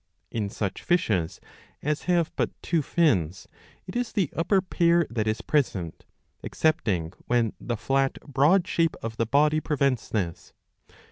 In such fishes as have but two fins it is the upper pair that is present, ^^ excepting when the flat broad shape of the body prevents this.